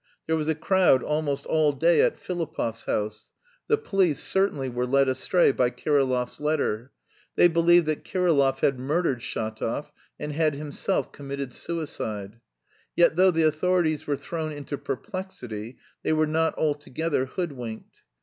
There was a crowd almost all day at Filipov's house. The police certainly were led astray by Kirillov's letter. They believed that Kirillov had murdered Shatov and had himself committed suicide. Yet, though the authorities were thrown into perplexity, they were not altogether hoodwinked.